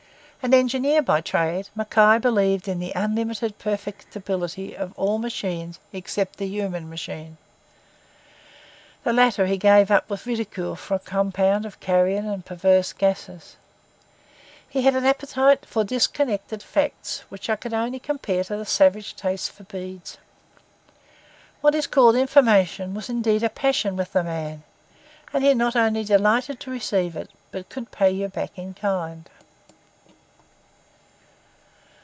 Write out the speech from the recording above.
An engineer by trade, Mackay believed in the unlimited perfectibility of all machines except the human machine. The latter he gave up with ridicule for a compound of carrion and perverse gases. He had an appetite for disconnected facts which I can only compare to the savage taste for beads. What is called information was indeed a passion with the man, and he not only delighted to receive it, but could pay you back in kind.